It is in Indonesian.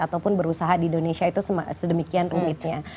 ataupun berusaha di indonesia itu sedemikian rumitnya